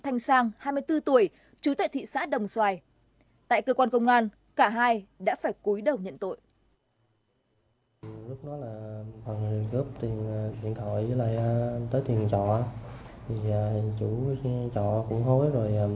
thanh sang hai mươi bốn tuổi chú tuệ thị xã đồng xoài tại cơ quan công an cả hai đã phải cúi đầu nhận tội